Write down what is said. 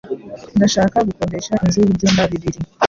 Ndashaka gukodesha inzu y'ibyumba bibiri.